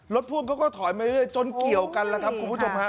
พ่วงเขาก็ถอยมาเรื่อยจนเกี่ยวกันแล้วครับคุณผู้ชมฮะ